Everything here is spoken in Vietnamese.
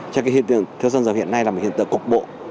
cho nên hiện tượng thiếu xăng dầu hiện nay là một hiện tượng cục bộ